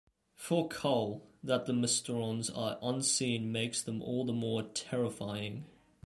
For Cull, that the Mysterons are unseen makes them all the more "terrifying".